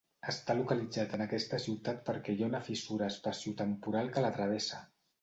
Està localitzat en aquesta ciutat perquè hi ha una fissura espaciotemporal que la travessa.